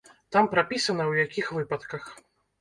Там прапісана, у якіх выпадках.